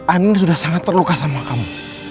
anin sudah sangat terluka sama kamu